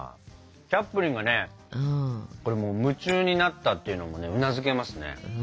チャップリンがねこれもう夢中になったっていうのもねうなずけますね。